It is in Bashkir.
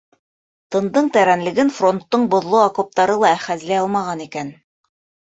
Тындың тәрәнлеген фронттың боҙло окоптары ла әхәзләй алмаған икән.